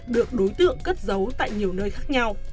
được đối tượng cất giấu tại nhiều nơi khác